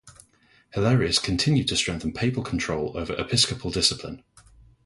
Hilarius continued to strengthen papal control over episcopal discipline.